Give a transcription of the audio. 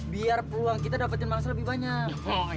biar peluang kita dapatkan maksa lebih banyak